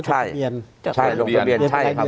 ใช่ครับใช่